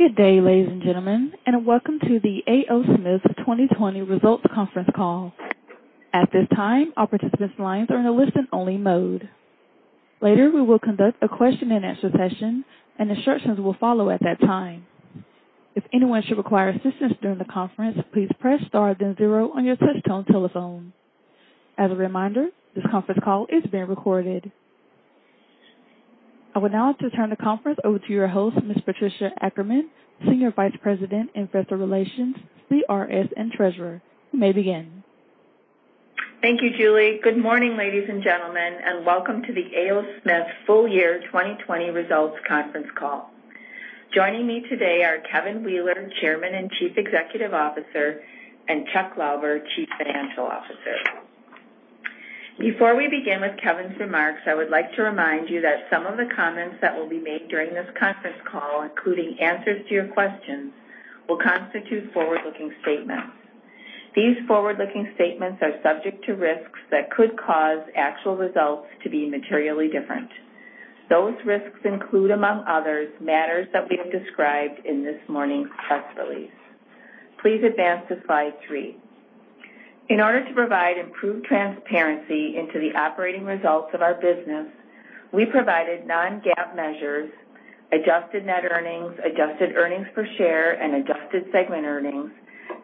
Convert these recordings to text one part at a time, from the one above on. Good day, ladies and gentlemen, and welcome to the A. O. Smith 2020 Results Conference Call. At this time, all participants' lines are in a listen-only mode. Later, we will conduct a question-and-answer session, and instructions will follow at that time. If anyone should require assistance during the conference, please press star then zero on your touch-tone telephone. As a reminder, this conference call is being recorded. I would now like to turn the conference over to your host, Ms. Patricia Ackerman, Senior Vice President, Investor Relations, CRS, and Treasurer. You may begin. Thank you, Julie. Good morning, ladies and gentlemen, and welcome to the A. O. Smith Full Year 2020 Results Conference Call. Joining me today are Kevin Wheeler, Chairman and Chief Executive Officer, and Chuck Lauber, Chief Financial Officer. Before we begin with Kevin's remarks, I would like to remind you that some of the comments that will be made during this conference call, including answers to your questions, will constitute forward-looking statements. These forward-looking statements are subject to risks that could cause actual results to be materially different. Those risks include, among others, matters that we have described in this morning's press release. Please advance to slide three. In order to provide improved transparency into the operating results of our business, we provided non-GAAP measures, adjusted net earnings, adjusted earnings per share, and adjusted segment earnings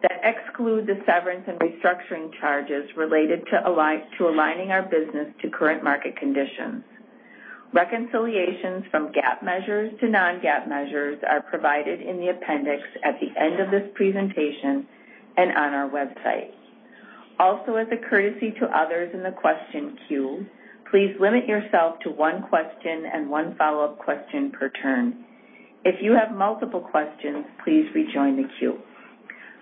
that exclude the severance and restructuring charges related to aligning our business to current market conditions. Reconciliations from GAAP measures to non-GAAP measures are provided in the appendix at the end of this presentation and on our website. Also, as a courtesy to others in the question queue, please limit yourself to one question and one follow-up question per turn. If you have multiple questions, please rejoin the queue.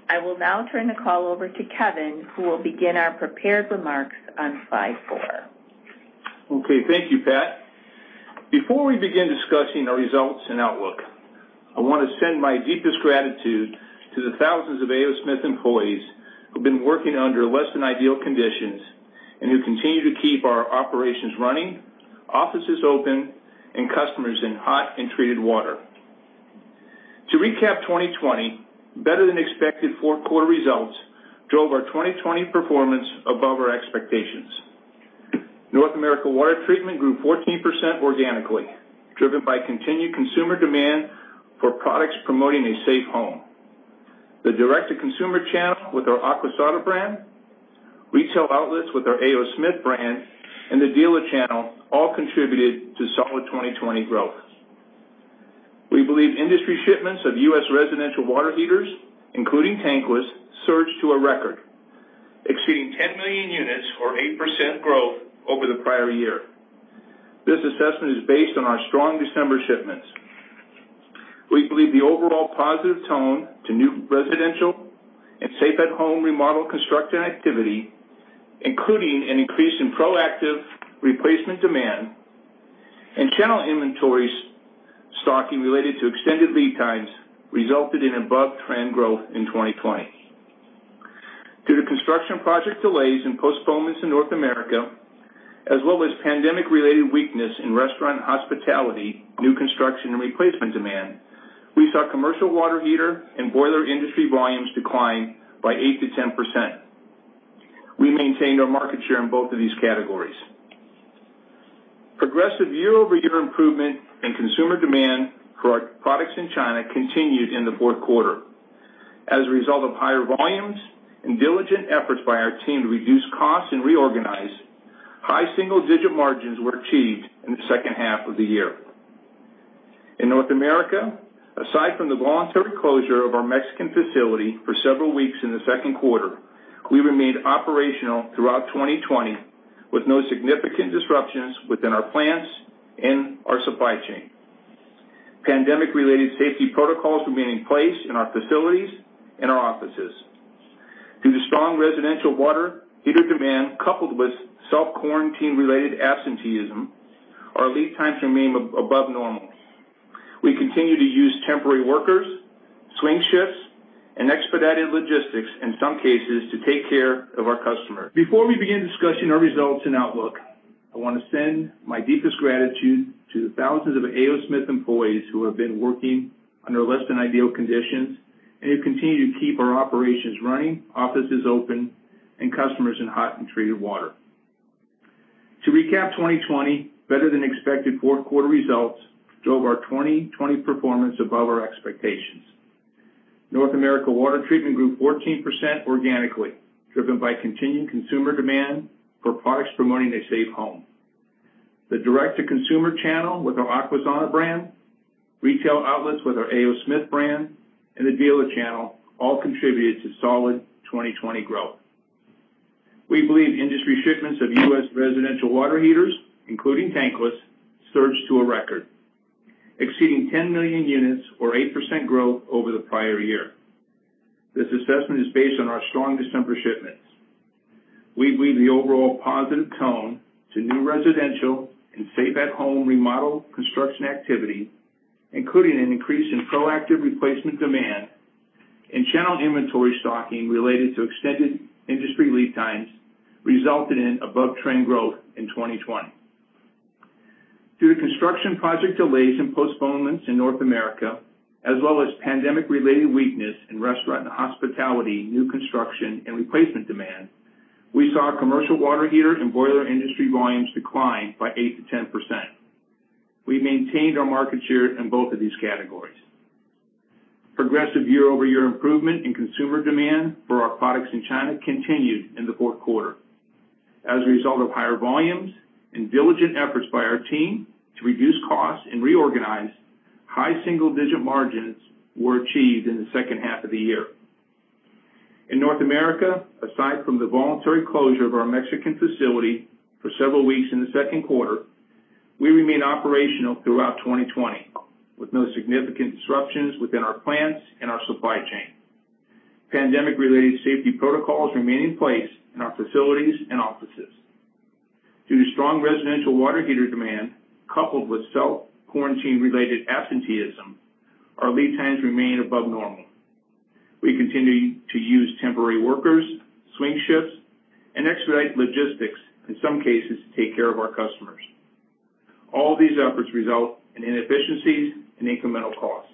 I will now turn the call over to Kevin, who will begin our prepared remarks on slide four. Okay. Thank you, Pat. Before we begin discussing our results and outlook, I want to send my deepest gratitude to the thousands of A. O. Smith employees who've been working under less-than-ideal conditions and who continue to keep our operations running, offices open, and customers in hot and treated water. To recap 2020, better-than-expected fourth quarter results drove our 2020 performance above our expectations. North America Water Treatment grew 14% organically, driven by continued consumer demand for products promoting a safe home. The direct-to-consumer channel with our Aquasana brand, retail outlets with our A. O. Smith brand, and the dealer channel all contributed to solid 2020 growth. We believe industry shipments of U.S. residential water heaters, including tankless, surged to a record, exceeding 10 million units or 8% growth over the prior year. This assessment is based on our strong December shipments. We believe the overall positive tone to new residential and Safe-at-Home remodel construction activity, including an increase in proactive replacement demand and channel inventories stocking related to extended lead times, resulted in above-trend growth in 2020. Due to construction project delays and postponements in North America, as well as pandemic-related weakness in restaurant hospitality, new construction, and replacement demand, we saw commercial water heater and boiler industry volumes decline by 8-10%. We maintained our market share in both of these categories. Progressive year-over-year improvement in consumer demand for our products in China continued in the fourth quarter. As a result of higher volumes and diligent efforts by our team to reduce costs and reorganize, high single-digit margins were achieved in the second half of the year. In North America, aside from the voluntary closure of our Mexican facility for several weeks in the second quarter, we remained operational throughout 2020 with no significant disruptions within our plants and our supply chain. Pandemic-related safety protocols remained in place in our facilities and our offices. Due to strong residential water heater demand coupled with self-quarantine-related absenteeism, our lead times remained above normal. We continue to use temporary workers, swing shifts, and expedited logistics in some cases to take care of our customers. Before we begin discussing our results and outlook, I want to send my deepest gratitude to the thousands of A. O. Smith employees who have been working under less-than-ideal conditions and who continue to keep our operations running, offices open, and customers in hot and treated water. To recap 2020, better-than-expected fourth quarter results drove our 2020 performance above our expectations. North America Water Treatment grew 14% organically, driven by continued consumer demand for products promoting a safe home. The direct-to-consumer channel with our Aquasana brand, retail outlets with our A. O. Smith brand, and the dealer channel all contributed to solid 2020 growth. We believe industry shipments of U.S. residential water heaters, including tankless, surged to a record, exceeding 10 million units or 8% growth over the prior year. This assessment is based on our strong December shipments. We believe the overall positive tone to new Residential and Safe-at-Home remodel construction activity, including an increase in proactive replacement demand and channel inventory stocking related to extended industry lead times, resulted in above-trend growth in 2020. Due to construction project delays and postponements in North America, as well as pandemic-related weakness in restaurant and hospitality, new construction, and replacement demand, we saw commercial water heater and boiler industry volumes decline by 8-10%. We maintained our market share in both of these categories. Progressive year-over-year improvement in consumer demand for our products in China continued in the fourth quarter. As a result of higher volumes and diligent efforts by our team to reduce costs and reorganize, high single-digit margins were achieved in the second half of the year. In North America, aside from the voluntary closure of our Mexican facility for several weeks in the second quarter, we remained operational throughout 2020 with no significant disruptions within our plants and our supply chain. Pandemic-related safety protocols remained in place in our facilities and offices. Due to strong residential water heater demand coupled with self-quarantine-related absenteeism, our lead times remained above normal. We continue to use temporary workers, swing shifts, and expedite logistics, in some cases, to take care of our customers. All these efforts result in inefficiencies and incremental costs.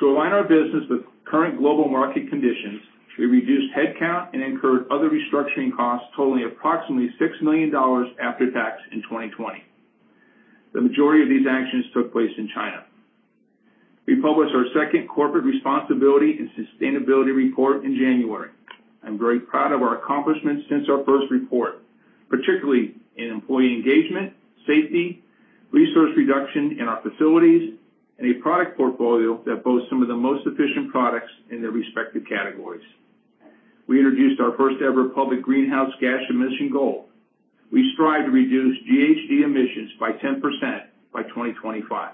To align our business with current global market conditions, we reduced headcount and incurred other restructuring costs totaling approximately $6 million after-tax in 2020. The majority of these actions took place in China. We published our second corporate responsibility and sustainability report in January. I'm very proud of our accomplishments since our first report, particularly in employee engagement, safety, resource reduction in our facilities, and a product portfolio that boasts some of the most efficient products in their respective categories. We introduced our first-ever public greenhouse gas emission goal. We strive to reduce GHG emissions by 10% by 2025.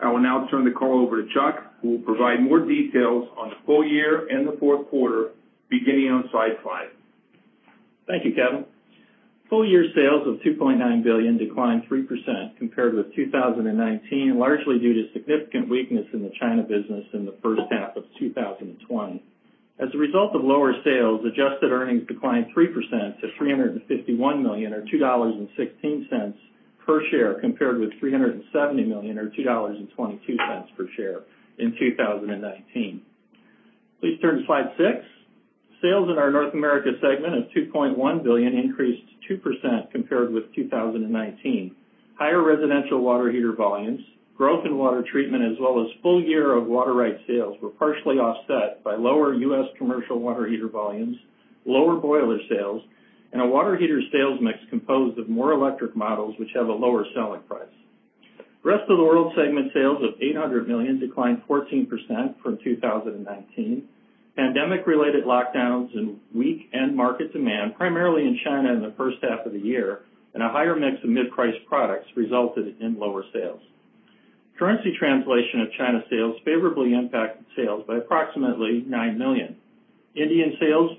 I will now turn the call over to Chuck, who will provide more details on the full year and the fourth quarter beginning on slide five. Thank you, Kevin. Full year sales of $2.9 billion declined 3% compared with 2019, largely due to significant weakness in the China business in the first half of 2020. As a result of lower sales, adjusted earnings declined 3% to $351 million, or $2.16 per share, compared with $370 million, or $2.22 per share in 2019. Please turn to slide six. Sales in our North America segment of $2.1 billion increased 2% compared with 2019. Higher residential water heater volumes, growth in Water Treatment, as well as full year of water rights sales were partially offset by lower U.S. commercial water heater volumes, lower boiler sales, and a water heater sales mix composed of more electric models which have a lower selling price. Rest of the World segment sales of $800 million declined 14% from 2019. Pandemic-related lockdowns and weak end market demand, primarily in China in the first half of the year, and a higher mix of mid-price products resulted in lower sales. Currency translation of China sales favorably impacted sales by approximately $9 million. Indian sales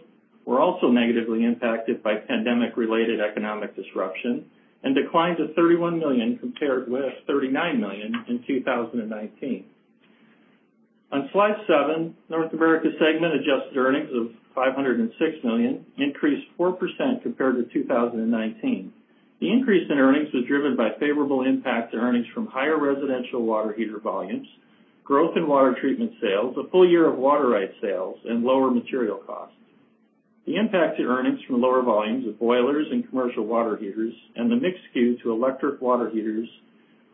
were also negatively impacted by pandemic-related economic disruption and declined to $31 million compared with $39 million in 2019. On slide seven, North America segment adjusted earnings of $506 million increased 4% compared with 2019. The increase in earnings was driven by favorable impact to earnings from higher residential water heater volumes, growth in Water Treatment sales, a full year of water rights sales, and lower material costs. The impact to earnings from lower volumes of boilers and commercial water heaters and the mix skew to electric water heaters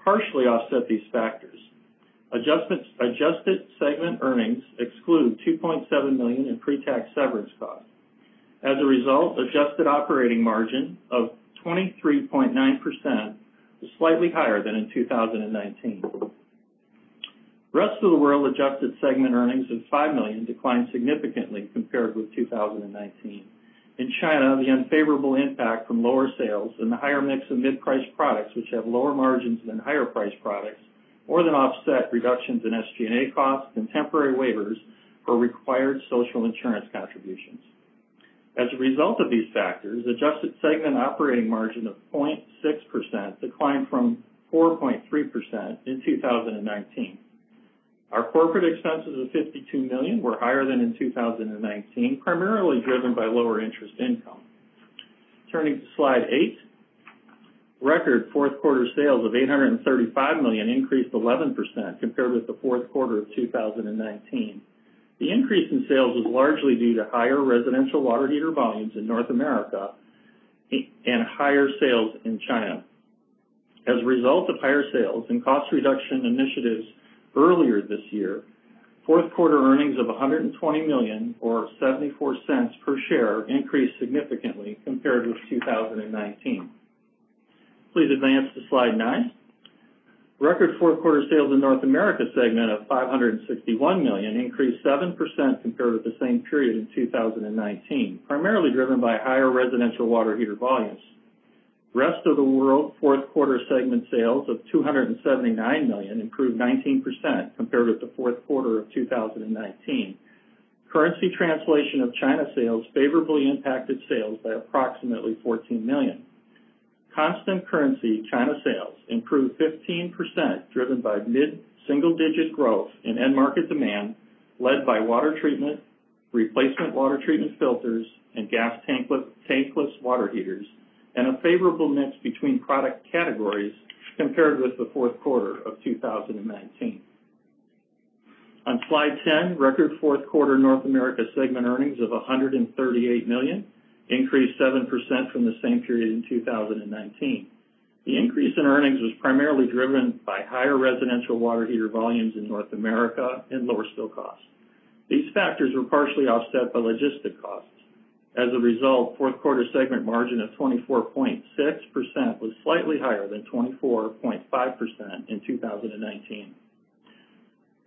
partially offset these factors. Adjusted segment earnings exclude $2.7 million in pre-tax severance costs. As a result, adjusted operating margin of 23.9% was slightly higher than in 2019. Rest of the World adjusted segment earnings of $5 million declined significantly compared with 2019. In China, the unfavorable impact from lower sales and the higher mix of mid-price products which have lower margins than higher price products more than offset reductions in SG&A costs and temporary waivers for required social insurance contributions. As a result of these factors, adjusted segment operating margin of 0.6% declined from 4.3% in 2019. Our corporate expenses of $52 million were higher than in 2019, primarily driven by lower interest income. Turning to slide eight, record fourth quarter sales of $835 million increased 11% compared with the fourth quarter of 2019. The increase in sales was largely due to higher residential water heater volumes in North America and higher sales in China. As a result of higher sales and cost reduction initiatives earlier this year, fourth quarter earnings of $120 million, or $0.74 per share, increased significantly compared with 2019. Please advance to slide nine. Record fourth quarter sales in North America segment of $561 million increased 7% compared with the same period in 2019, primarily driven by higher residential water heater volumes. Rest of the World fourth quarter segment sales of $279 million improved 19% compared with the fourth quarter of 2019. Currency translation of China sales favorably impacted sales by approximately $14 million. Constant currency China sales improved 15% driven by mid-single-digit growth in end market demand led by Water Treatment, replacement water treatment filters, and gas tankless water heaters, and a favorable mix between product categories compared with the fourth quarter of 2019. On slide ten, record fourth quarter North America segment earnings of $138 million increased 7% from the same period in 2019. The increase in earnings was primarily driven by higher residential water heater volumes in North America and lower steel costs. These factors were partially offset by logistic costs. As a result, fourth quarter segment margin of 24.6% was slightly higher than 24.5% in 2019.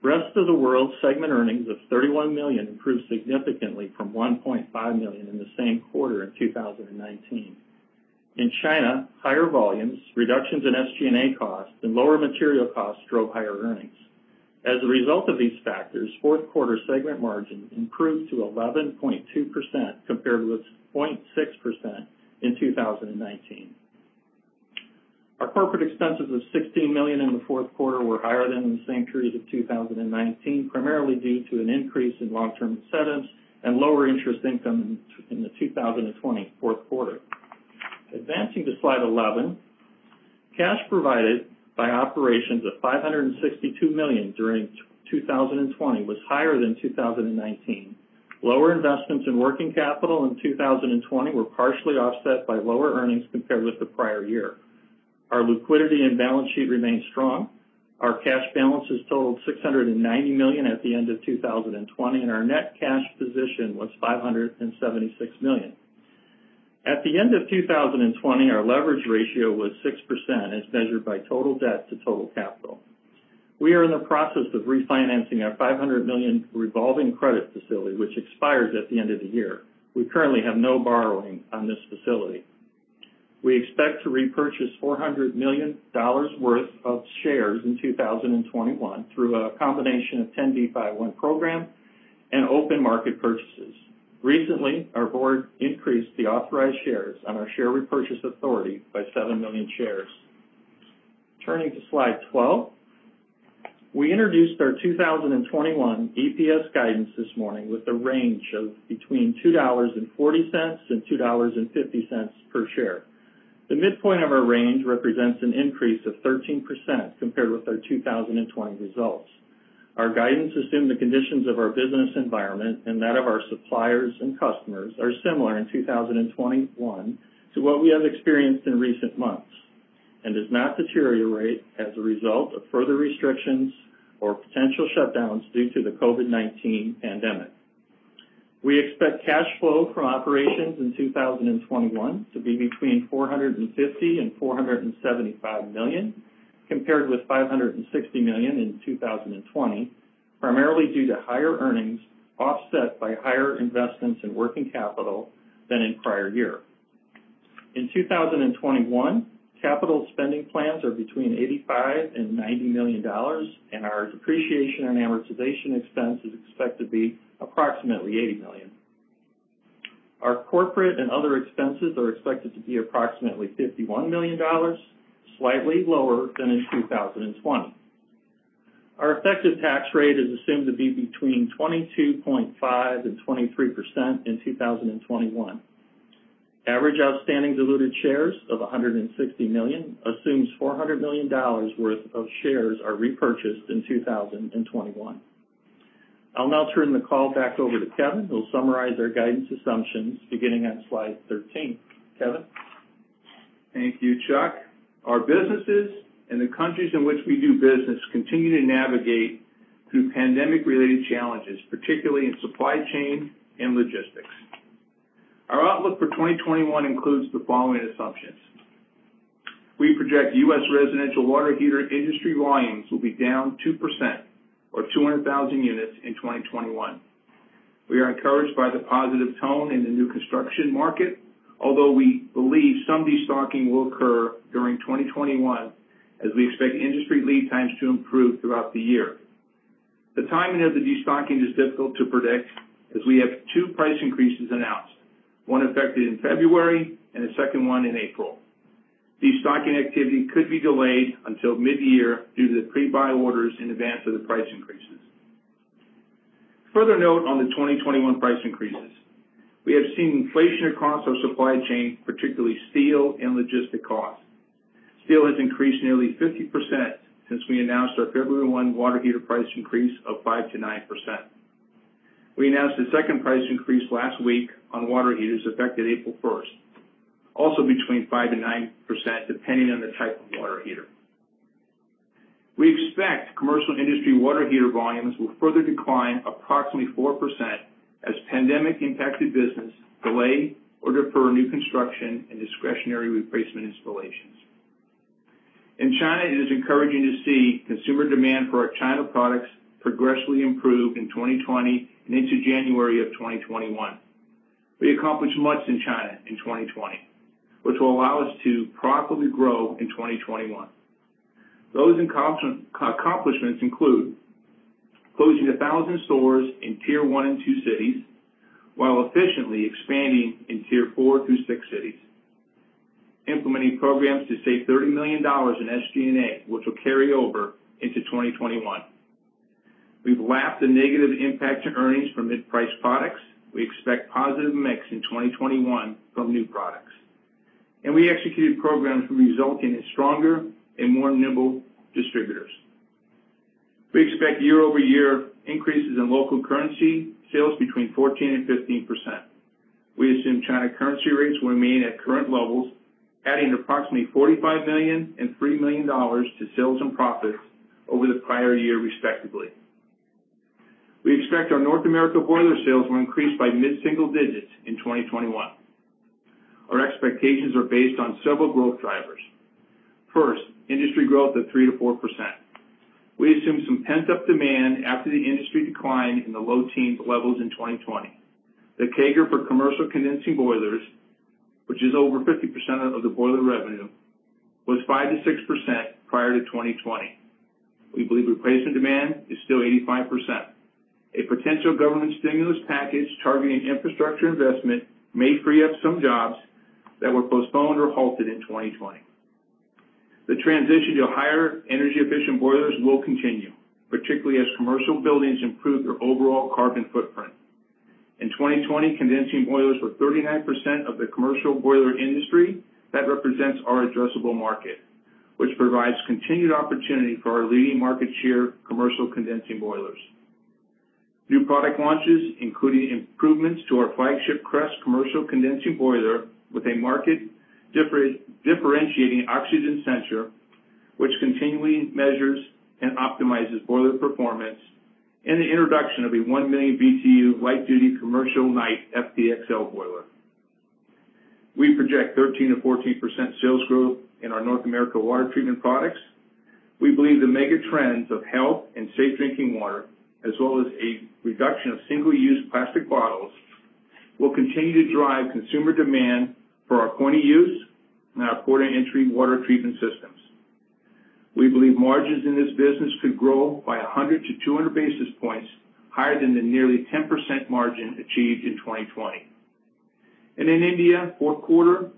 Rest of the World segment earnings of $31 million improved significantly from $1.5 million in the same quarter in 2019. In China, higher volumes, reductions in SG&A costs, and lower material costs drove higher earnings. As a result of these factors, fourth quarter segment margin improved to 11.2% compared with 0.6% in 2019. Our corporate expenses of $16 million in the fourth quarter were higher than in the same period of 2019, primarily due to an increase in long-term incentives and lower interest income in the 2020 fourth quarter. Advancing to slide eleven, cash provided by operations of $562 million during 2020 was higher than 2019. Lower investments in working capital in 2020 were partially offset by lower earnings compared with the prior year. Our liquidity and balance sheet remained strong. Our cash balances totaled $690 million at the end of 2020, and our net cash position was $576 million. At the end of 2020, our leverage ratio was 6% as measured by total debt to total capital. We are in the process of refinancing our $500 million revolving credit facility which expires at the end of the year. We currently have no borrowing on this facility. We expect to repurchase $400 million worth of shares in 2021 through a combination of 10b5-1 program and open market purchases. Recently, our board increased the authorized shares on our share repurchase authority by 7 million shares. Turning to slide twelve, we introduced our 2021 EPS guidance this morning with a range of between $2.40 and $2.50 per share. The midpoint of our range represents an increase of 13% compared with our 2020 results. Our guidance assumed the conditions of our business environment and that of our suppliers and customers are similar in 2021 to what we have experienced in recent months and does not deteriorate as a result of further restrictions or potential shutdowns due to the COVID-19 pandemic. We expect cash flow from operations in 2021 to be between $450-$475 million compared with $560 million in 2020, primarily due to higher earnings offset by higher investments in working capital than in prior year. In 2021, capital spending plans are between $85-$90 million, and our depreciation and amortization expense is expected to be approximately $80 million. Our corporate and other expenses are expected to be approximately $51 million, slightly lower than in 2020. Our effective tax rate is assumed to be between 22.5%-23% in 2021. Average outstanding diluted shares of 160 million assumes $400 million worth of shares are repurchased in 2021. I'll now turn the call back over to Kevin, who will summarize our guidance assumptions beginning on slide thirteen. Kevin. Thank you, Chuck. Our businesses and the countries in which we do business continue to navigate through pandemic-related challenges, particularly in supply chain and logistics. Our outlook for 2021 includes the following assumptions. We project U.S. residential water heater industry volumes will be down 2%, or 200,000 units in 2021. We are encouraged by the positive tone in the new construction market, although we believe some destocking will occur during 2021 as we expect industry lead times to improve throughout the year. The timing of the destocking is difficult to predict as we have two price increases announced, one effective in February and a second one in April. Destocking activity could be delayed until mid-year due to the pre-buy orders in advance of the price increases. Further note on the 2021 price increases. We have seen inflation across our supply chain, particularly steel and logistic costs. Steel has increased nearly 50% since we announced our February 1 water heater price increase of 5%-9%. We announced a second price increase last week on water heaters effective April 1st, also between 5%-9% depending on the type of water heater. We expect commercial industry water heater volumes will further decline approximately 4% as pandemic-impacted business delay or defer new construction and discretionary replacement installations. In China, it is encouraging to see consumer demand for our China products progressively improve in 2020 and into January of 2021. We accomplished much in China in 2020, which will allow us to profitably grow in 2021. Those accomplishments include closing 1,000 stores in Tier 1 and 2 cities while efficiently expanding in Tier 4 through 6 cities, implementing programs to save $30 million in SG&A, which will carry over into 2021. We've lapped the negative impact to earnings from mid-price products. We expect positive mix in 2021 from new products, and we executed programs resulting in stronger and more nimble distributors. We expect year-over-year increases in local currency sales between 14% and 15%. We assume China currency rates will remain at current levels, adding approximately $45 billion and $3 million to sales and profits over the prior year, respectively. We expect our North America boiler sales will increase by mid-single digits in 2021. Our expectations are based on several growth drivers. First, industry growth of 3% to 4%. We assume some pent-up demand after the industry decline in the low teens levels in 2020. The CAGR for commercial condensing boilers, which is over 50% of the boiler revenue, was 5% to 6% prior to 2020. We believe replacement demand is still 85%. A potential government stimulus package targeting infrastructure investment may free up some jobs that were postponed or halted in 2020. The transition to higher energy-efficient boilers will continue, particularly as commercial buildings improve their overall carbon footprint. In 2020, condensing boilers were 39% of the commercial boiler industry. That represents our addressable market, which provides continued opportunity for our leading market share of commercial condensing boilers. New product launches, including improvements to our flagship CREST commercial condensing boiler with a market differentiating O2 sensor, which continually measures and optimizes boiler performance, and the introduction of a 1 million BTU light-duty commercial Knight FTXL boiler. We project 13%-14% sales growth in our North America Water Treatment products. We believe the mega trends of health and safe drinking water, as well as a reduction of single-use plastic bottles, will continue to drive consumer demand for our Point-of-Use and our Point of Entry water treatment systems. We believe margins in this business could grow by 100-200 basis points higher than the nearly 10% margin achieved in 2020. In India, fourth quarter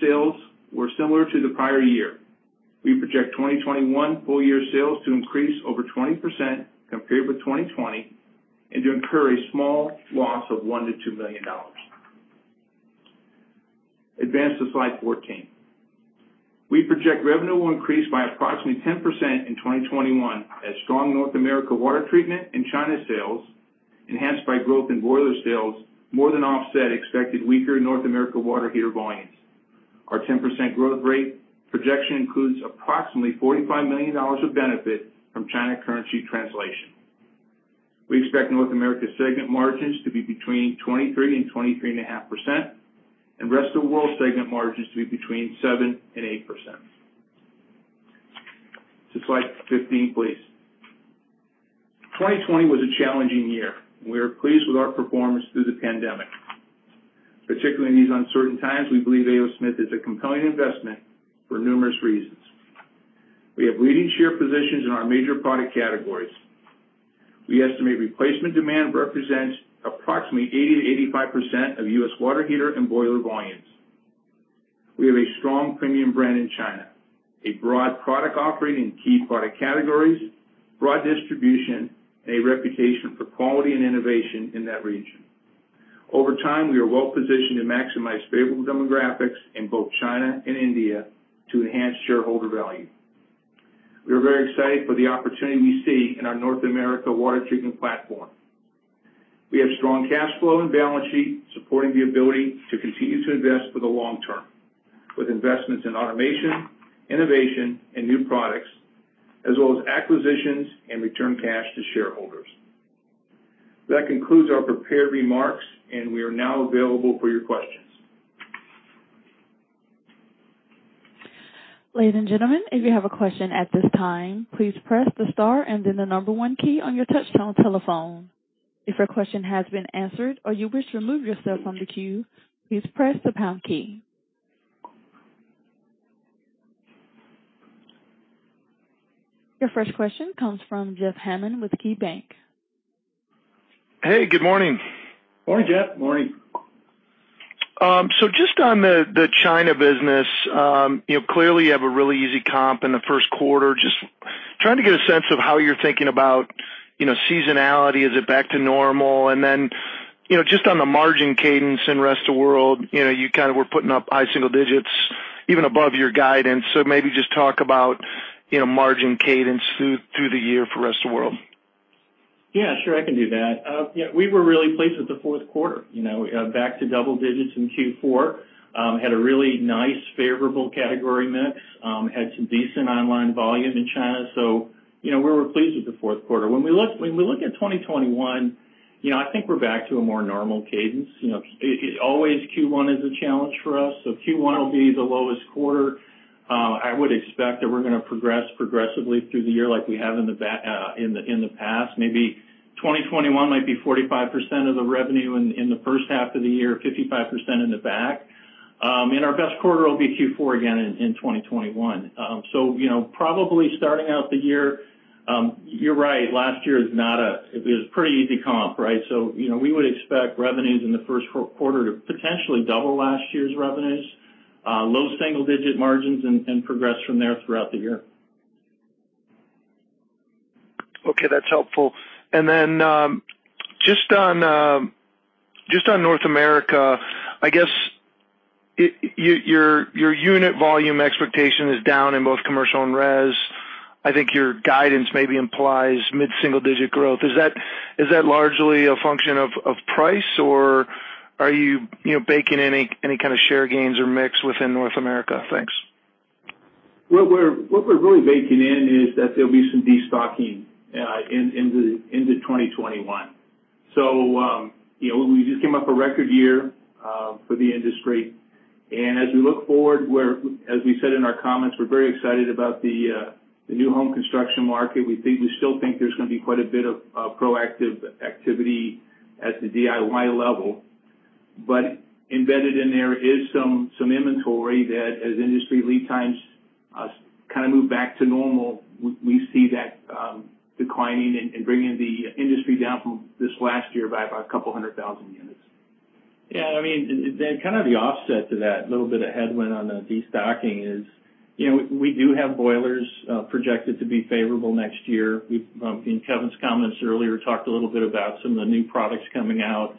sales were similar to the prior year. We project 2021 full-year sales to increase over 20% compared with 2020 and to incur a small loss of $1 million-$2 million. Advance to slide fourteen. We project revenue will increase by approximately 10% in 2021 as strong North America Water Treatment and China sales enhanced by growth in boiler sales more than offset expected weaker North America Water Heater volumes. Our 10% growth rate projection includes approximately $45 million of benefit from China currency translation. We expect North America segment margins to be between 23% and 23.5% and Rest of the World segment margins to be between 7% and 8%. To slide fifteen, please. 2020 was a challenging year. We are pleased with our performance through the pandemic. Particularly in these uncertain times, we believe A. O. Smith is a compelling investment for numerous reasons. We have leading share positions in our major product categories. We estimate replacement demand represents approximately 80%-85% of U.S. water heater and boiler volumes. We have a strong premium brand in China, a broad product offering in key product categories, broad distribution, and a reputation for quality and innovation in that region. Over time, we are well positioned to maximize favorable demographics in both China and India to enhance shareholder value. We are very excited for the opportunity we see in our North America Water Treatment platform. We have strong cash flow and balance sheet supporting the ability to continue to invest for the long term with investments in automation, innovation, and new products, as well as acquisitions and return cash to shareholders. That concludes our prepared remarks, and we are now available for your questions. Ladies and gentlemen, if you have a question at this time, please press the star and then the number one key on your touch telephone. If your question has been answered or you wish to remove yourself from the queue, please press the pound key. Your first question comes from Jeff Hammond with KeyBanc. Hey, good morning. Morning, Jeff. Morning. Just on the China business, clearly you have a really easy comp in the first quarter. Just trying to get a sense of how you're thinking about seasonality. Is it back to normal? Then just on the margin cadence and Rest of the World, you kind of were putting up high single digits, even above your guidance. Maybe just talk about margin cadence through the year for Rest of the World. Yeah, sure. I can do that. We were really pleased with the fourth quarter. Back to double digits in Q4, had a really nice favorable category mix, had some decent online volume in China. So we were pleased with the fourth quarter. When we look at 2021, I think we're back to a more normal cadence. Always Q1 is a challenge for us. Q1 will be the lowest quarter. I would expect that we're going to progress progressively through the year like we have in the past. Maybe 2021 might be 45% of the revenue in the first half of the year, 55% in the back. Our best quarter will be Q4 again in 2021. Probably starting out the year, you're right, last year is not a—it was a pretty easy comp, right? We would expect revenues in the first quarter to potentially double last year's revenues, low single-digit margins, and progress from there throughout the year. Okay, that's helpful. Then just on North America, I guess your unit volume expectation is down in both Commercial and Res. I think your guidance maybe implies mid-single digit growth. Is that largely a function of price, or are you baking in any kind of share gains or mix within North America? Thanks. What we're really baking in is that there'll be some destocking into 2021. We just came up a record year for the industry. As we look forward, as we said in our comments, we're very excited about the new home construction market. We still think there's going to be quite a bit of proactive activity at the DIY level. Embedded in there is some inventory that as industry lead times kind of move back to normal, we see that declining and bringing the industry down from this last year by about a couple hundred thousand units. I mean, then kind of the offset to that, a little bit of headwind on the destocking is we do have boilers projected to be favorable next year. In Kevin's comments earlier, we talked a little bit about some of the new products coming out,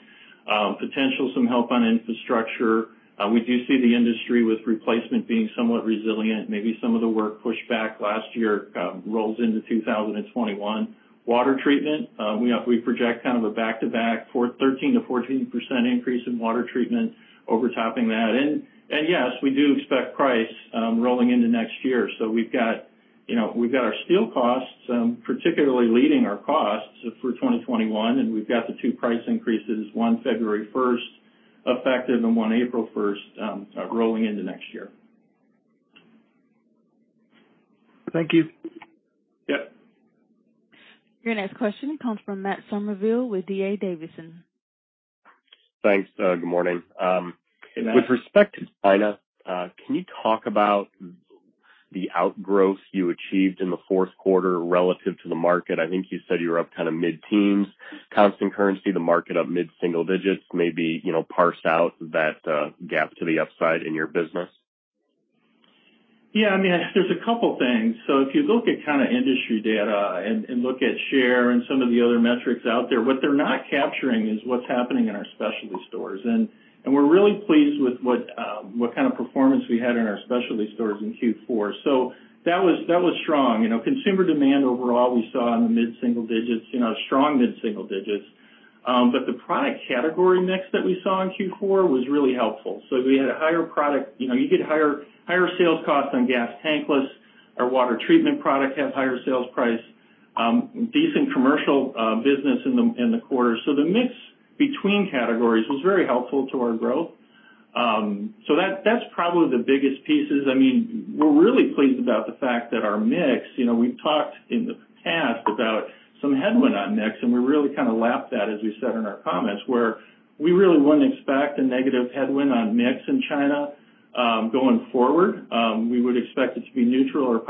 potential, some help on infrastructure. We do see the industry with replacement being somewhat resilient. Maybe some of the work pushed back last year rolls into 2021. Water Treatment, we project kind of a back-to-back 13%-14% increase in Water Treatment overtopping that. Yes, we do expect price rolling into next year. We have our steel costs particularly leading our costs for 2021, and we have the two price increases, one February 1st effective and one April 1st rolling into next year. Thank you. Yep. Your next question comes from Matt Summerville with D.A. Davidson. Thanks. Good morning. With respect to China, can you talk about the outgrowth you achieved in the fourth quarter relative to the market? I think you said you were up kind of mid-teens. Constant currency, the market up mid-single digits, maybe parse out that gap to the upside in your business? Yeah, I mean, there's a couple of things. If you look at kind of industry data and look at share and some of the other metrics out there, what they're not capturing is what's happening in our specialty stores. We're really pleased with what kind of performance we had in our specialty stores in Q4. That was strong. Consumer demand overall we saw in the mid-single digits, strong mid-single digits. The product category mix that we saw in Q4 was really helpful. We had a higher product you get higher sales costs on gas tankless. Our Water Treatment product has a higher sales price, decent commercial business in the quarter. The mix between categories was very helpful to our growth. That's probably the biggest pieces. I mean, we're really pleased about the fact that our mix, we've talked in the past about some headwind on mix, and we really kind of lapped that, as we said in our comments, where we really wouldn't expect a negative headwind on mix in China going forward. We would expect it to be neutral or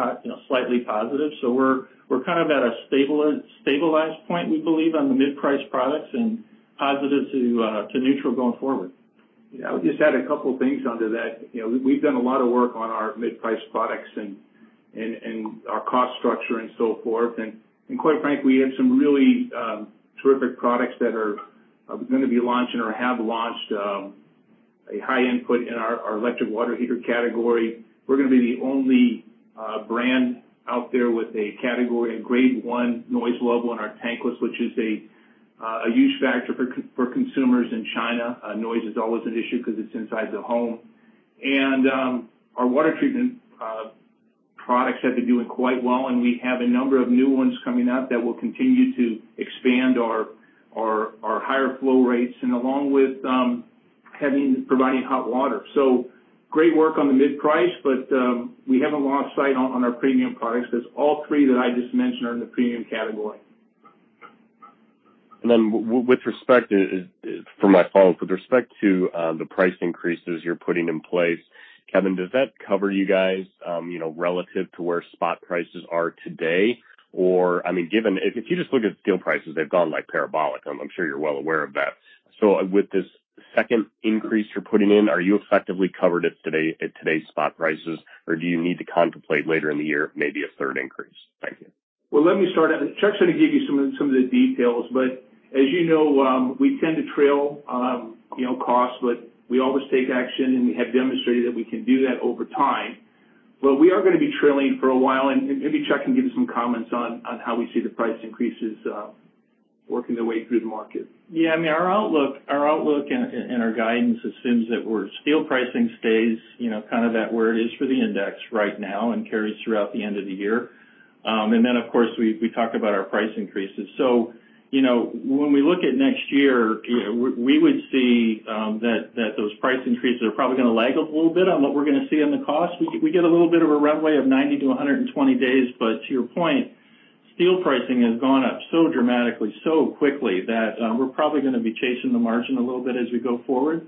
slightly positive. We're kind of at a stabilized point, we believe, on the mid-price products and positive to neutral going forward. Yeah, I would just add a couple of things onto that. We've done a lot of work on our mid-price products and our cost structure and so forth. Quite frankly, we have some really terrific products that are going to be launching or have launched a high input in our electric water heater category. We're going to be the only brand out there with a category and Grade 1 noise level in our tankless, which is a huge factor for consumers in China. Noise is always an issue because it's inside the home. Our Water Treatment products have been doing quite well, and we have a number of new ones coming out that will continue to expand our higher flow rates and along with providing hot water. Great work on the mid-price, but we haven't lost sight on our premium products because all three that I just mentioned are in the premium category. With respect to, for my follow-up, with respect to the price increases you're putting in place, Kevin, does that cover you guys relative to where spot prices are today? I mean, given if you just look at steel prices, they've gone parabolic. I'm sure you're well aware of that. With this second increase you're putting in, are you effectively covered at today's spot prices, or do you need to contemplate later in the year maybe a third increase? Thank you. Let me start out. I'm just going to give you some of the details. As you know, we tend to trail costs, but we always take action, and we have demonstrated that we can do that over time. We are going to be trailing for a while, and maybe Chuck can give you some comments on how we see the price increases working their way through the market. Yeah, I mean, our outlook and our guidance assumes that steel pricing stays kind of at where it is for the index right now and carries throughout the end of the year. Of course, we talk about our price increases. When we look at next year, we would see that those price increases are probably going to lag a little bit on what we're going to see on the cost. We get a little bit of a runway of 90-120 days. To your point, steel pricing has gone up so dramatically, so quickly that we're probably going to be chasing the margin a little bit as we go forward.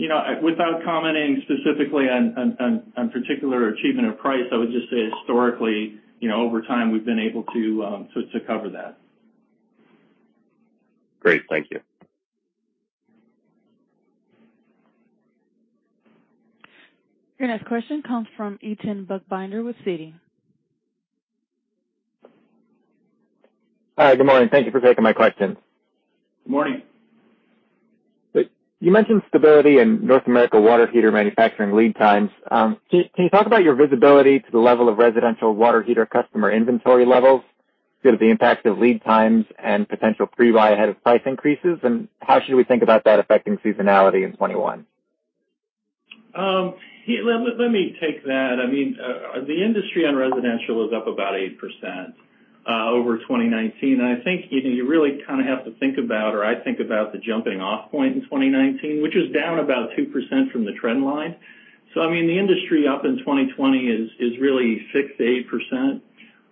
Without commenting specifically on particular achievement of price, I would just say historically, over time, we've been able to cover that. Great. Thank you. Your next question comes from Eitan Buchbinder with Citi. Hi, good morning. Thank you for taking my question. Good morning. You mentioned stability in North America Water Heater manufacturing lead times. Can you talk about your visibility to the level of residential water heater customer inventory levels due to the impact of lead times and potential pre-buy ahead of price increases? How should we think about that affecting seasonality in 2021? Let me take that. I mean, the industry on Residential is up about 8% over 2019. I think you really kind of have to think about, or I think about the jumping-off point in 2019, which is down about 2% from the trend line. I mean, the industry up in 2020 is really 6-8%.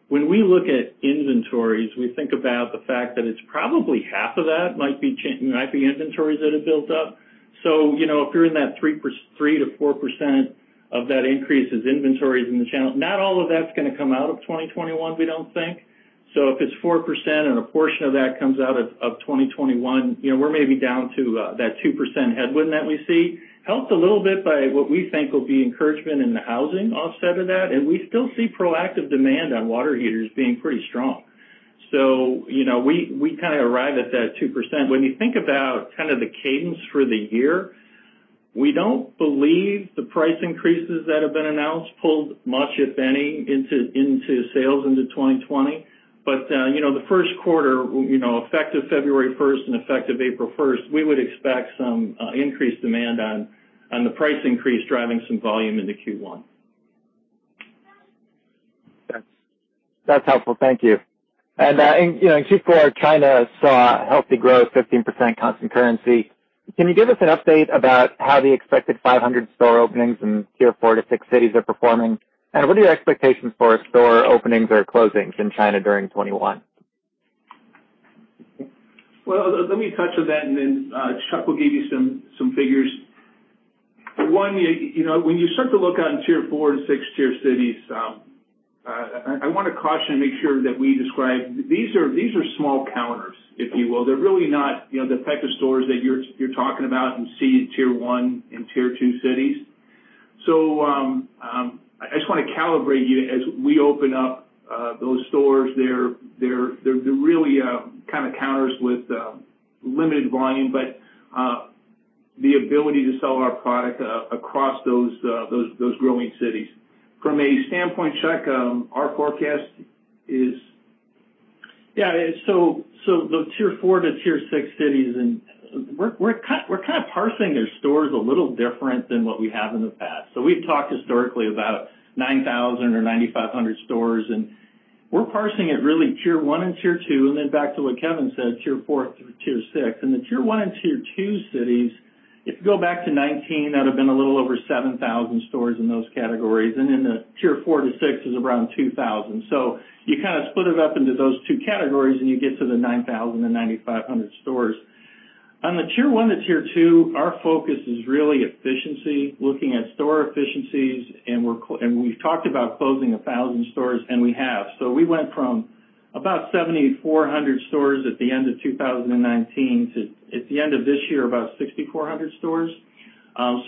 When we look at inventories, we think about the fact that it's probably half of that might be taking inventories that have built up. If you're in that 3-4% of that increase as inventories in the channel, not all of that's going to come out of 2021, we don't think. If it's 4% and a portion of that comes out of 2021, we're maybe down to that 2% headwind that we see. Helped a little bit by what we think will be encouragement in the housing offset of that. We still see proactive demand on water heaters being pretty strong. We kind of arrive at that 2%. When you think about kind of the cadence for the year, we do not believe the price increases that have been announced pulled much, if any, into sales into 2020. The first quarter, effective February 1st and effective April 1st we would expect some increased demand on the price increase driving some volume into Q1. That's helpful. Thank you. In Q4, China saw healthy growth, 15% constant currency. Can you give us an update about how the expected 500 store openings in Tier 4 to 6 cities are performing? What are your expectations for store openings or closings in China during 2021? Let me touch on that, and then Chuck will give you some figures. One, when you start to look on Tier 4 and 6 Tier cities, I want to caution and make sure that we describe these are small counters, if you will. They're really not the type of stores that you're talking about and see in Tier 1 and Tier 2 cities. I just want to calibrate you as we open up those stores. They're really kind of counters with limited volume, but the ability to sell our product across those growing cities. From a standpoint, Chuck, our forecast is. Yeah, so the Tier 4 to Tier 6 cities, we're kind of parsing their stores a little different than what we have in the past. We have talked historically about 9,000 or 9,500 stores, and we are parsing it really Tier 1 and Tier 2, and then back to what Kevin said, Tier 4 through Tier 6. The Tier 1 and Tier 2 cities, if you go back to 2019, that would have been a little over 7,000 stores in those categories. The Tier 4 to 6 is around 2,000. You kind of split it up into those two categories, and you get to the 9,000-9,500 stores. On the Tier 1 to Tier 2, our focus is really efficiency, looking at store efficiencies. We have talked about closing 1,000 stores, and we have. We went from about 7,400 stores at the end of 2019 to, at the end of this year, about 6,400 stores.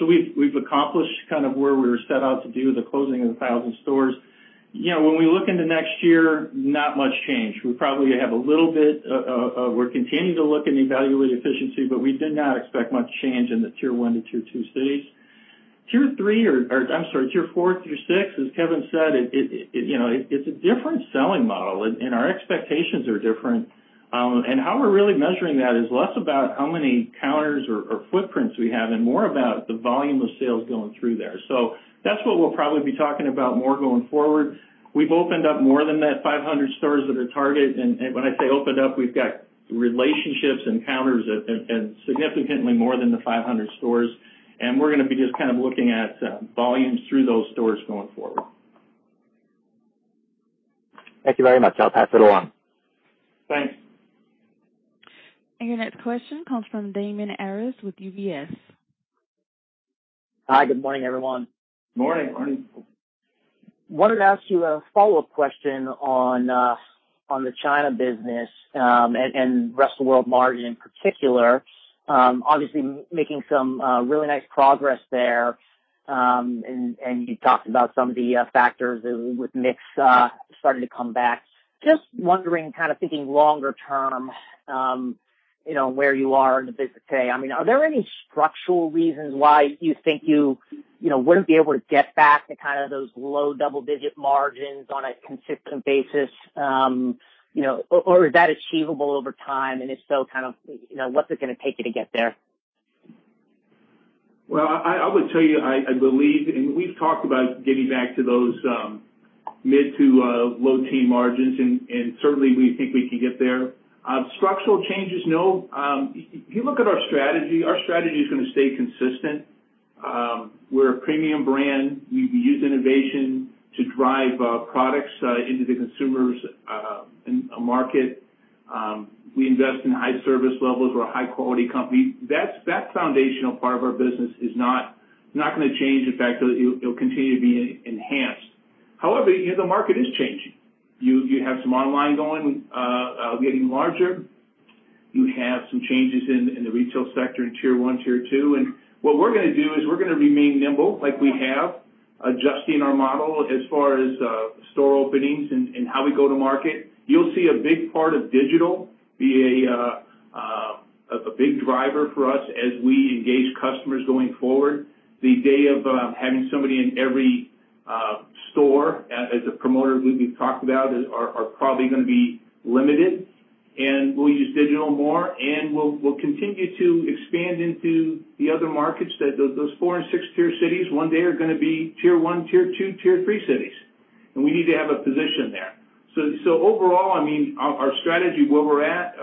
We have accomplished kind of where we were set out to do the closing of 1,000 stores. When we look into next year, not much change. We probably have a little bit of we're continuing to look and evaluate efficiency, but we did not expect much change in the Tier 1 to Tier 2 cities. Tier 3, or I'm sorry, Tier 4 through 6, as Kevin said, it's a different selling model, and our expectations are different. How we're really measuring that is less about how many counters or footprints we have and more about the volume of sales going through there. That is what we'll probably be talking about more going forward. We have opened up more than that 500 stores that are target. When I say opened up, we have got relationships and counters and significantly more than the 500 stores. We're going to be just kind of looking at volumes through those stores going forward. Thank you very much. I'll pass it along. Thanks. Your next question comes from Damian Karas with UBS. Hi, good morning, everyone. Good morning. Morning. Wanted to ask you a follow-up question on the China business and Rest of the World market in particular. Obviously, making some really nice progress there, and you talked about some of the factors with mix starting to come back. Just wondering, kind of thinking longer term, where you are in the business today. I mean, are there any structural reasons why you think you wouldn't be able to get back to kind of those low double-digit margins on a consistent basis? Or is that achievable over time? If so, kind of what's it going to take you to get there? I would tell you, I believe, and we've talked about getting back to those mid to low-teen margins, and certainly, we think we can get there. Structural changes, no. If you look at our strategy, our strategy is going to stay consistent. We're a premium brand. We use innovation to drive products into the consumer's market. We invest in high service levels. We're a high-quality company. That foundational part of our business is not going to change. In fact, it'll continue to be enhanced. However, the market is changing. You have some online going getting larger. You have some changes in the retail sector in Tier 1, Tier 2. What we're going to do is we're going to remain nimble like we have, adjusting our model as far as store openings and how we go to market. You'll see a big part of digital be a big driver for us as we engage customers going forward. The day of having somebody in every store, as the promoter we've talked about, are probably going to be limited. We'll use digital more, and we'll continue to expand into the other markets that those 4 and 6 Tier cities one day are going to be Tier 1, Tier 2, Tier 3 cities. We need to have a position there. Overall, I mean, our strategy, where we're at,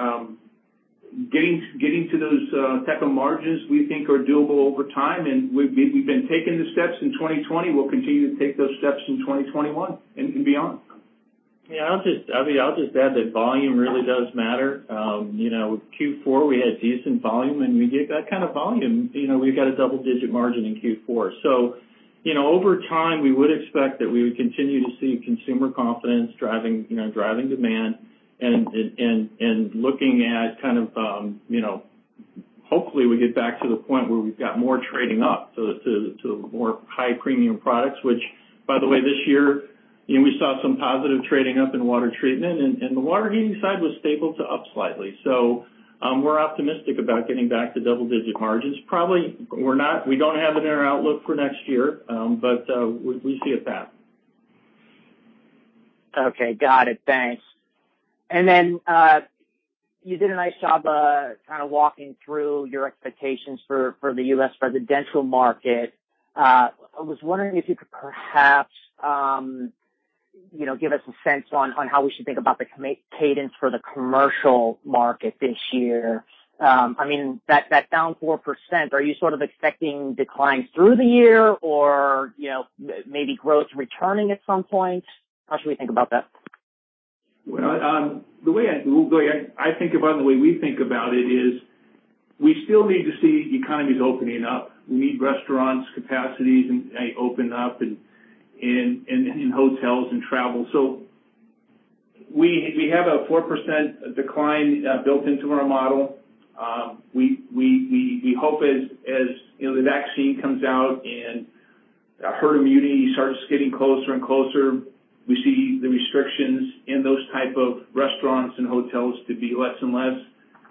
getting to those types of margins we think are doable over time. We've been taking the steps in 2020. We'll continue to take those steps in 2021 and beyond. Yeah, I'll just add that volume really does matter. Q4, we had decent volume, and we get that kind of volume. We've got a double-digit margin in Q4. Over time, we would expect that we would continue to see consumer confidence driving demand and looking at kind of hopefully, we get back to the point where we've got more trading up to more high premium products, which, by the way, this year, we saw some positive trading up in water treatment, and the water heating side was stable to up slightly. We are optimistic about getting back to double-digit margins. Probably, we do not have it in our outlook for next year, but we see it that. Okay. Got it. Thanks. You did a nice job kind of walking through your expectations for the U.S. residential market. I was wondering if you could perhaps give us a sense on how we should think about the cadence for the commercial market this year. I mean, that down 4%, are you sort of expecting declines through the year or maybe growth returning at some point? How should we think about that? The way I think about it, the way we think about it is we still need to see the economy's opening up. We need restaurants, capacities open up, and hotels and travel. We have a 4% decline built into our model. We hope as the vaccine comes out and herd immunity starts getting closer and closer, we see the restrictions in those type of restaurants and hotels to be less and less.